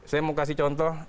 saya mau kasih contoh